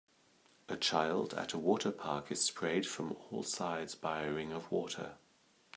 A child at a water park is sprayed from all sides by a ring of water.